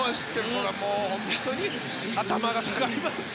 これはもう本当に頭が下がります。